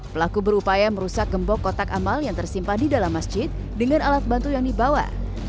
pelaku berupaya merusak gembok kotak amal yang tersimpan di dalam masjid dengan alat bantu yang dibawa